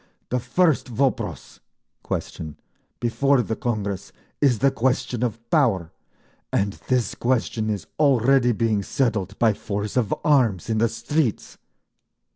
The first vopros (question) before the Congress is the question of Power, and this question is already being settled by force of arms in the streets!